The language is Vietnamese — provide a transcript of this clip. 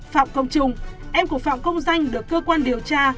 phạm công trung em của phạm công danh được cơ quan điều tra